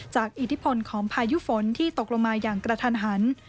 อิทธิพลของพายุฝนที่ตกลงมาอย่างกระทันหัน